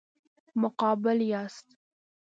مقابل یاست.